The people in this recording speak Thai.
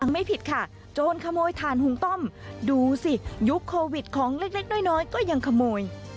ไม่ผิดค่ะโจรขโมยถ่านหุงต้มดูสิยุคโควิดของเล็กน้อยก็ยังขโมย